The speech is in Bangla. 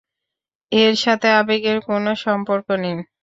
এর সাথে আবেগের কোনও সম্পর্ক নেই।